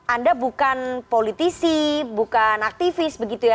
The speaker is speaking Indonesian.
anda bukan politisi bukan aktivis begitu ya